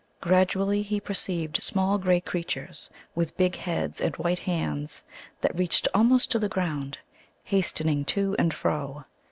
Gradually he perceived small grey creatures, with big heads and white hands, that reached almost to the ground, hastening to and fro.